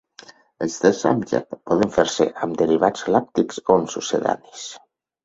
Els tes amb llet poden fer-se amb derivats làctics o amb succedanis.